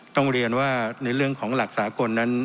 ต้องเรียนว่าในเรื่องของหลักสากลนั้น